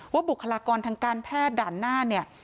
บุคลากรทางการแพทย์ด่านหน้าเนี่ย